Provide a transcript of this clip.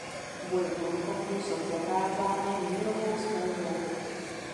Boje v Hongkongu jsou zakázány mírovou smlouvou.